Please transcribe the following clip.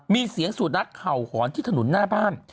มีเสียงสุนัขเห่าหอนที่ถนนหน้าบ้าน